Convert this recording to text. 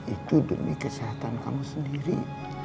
itu demi kesehatan kamu sendiri